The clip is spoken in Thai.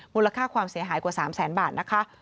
มูลค่าความเสียหายกว่า๓แสนบาทนะคะ